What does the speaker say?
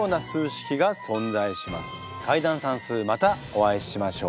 解談算数またお会いしましょう。